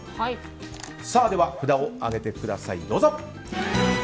では札を上げてください。